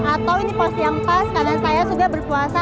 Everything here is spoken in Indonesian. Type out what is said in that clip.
atau ini pos yang pas karena saya sudah berpuasa